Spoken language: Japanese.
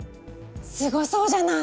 すごそうじゃない。